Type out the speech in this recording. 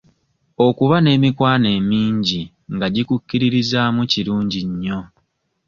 Okuba n'emikwano emingi nga gikukkiririzaamu kirungi nnyo.